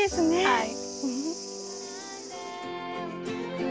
はい。